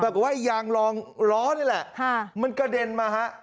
กับไอ้ยางรองล้อนี่แหละมันกระเด็นมาฮะ